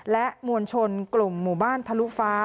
และมวลชนกลุ่มหมู่บ้านทะลุฟ้า